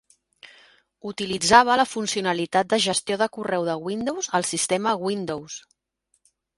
Utilitzava la funcionalitat de "Gestió de correu de Windows" al sistema Windows.